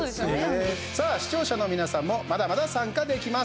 さあ、視聴者の皆さんもまだまだ参加できます。